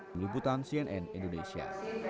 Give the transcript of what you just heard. melibutan cnn indonesia